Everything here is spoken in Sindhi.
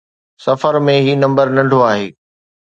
سفر ۾ هي نمبر ننڍو آهي